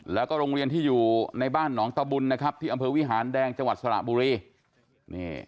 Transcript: แล้วก็โรงเรียนที่อยู่ในบ้านหนองตะบุญนะครับที่อำเภอวิหารแดงจังหวัดสระบุรี